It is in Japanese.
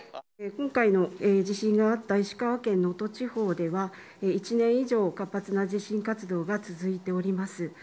今回の地震のあった石川県能登地方では、１年以上、活発な地震活動が続いております。